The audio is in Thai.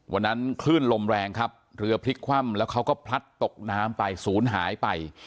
วันนั้นคลื่นลมแรงครับเรือพลิกคว่ำแล้วเขาก็พลัดตกน้ำไปศูนย์หายไป